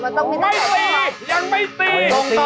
มันต้องมีช่าพูดปาก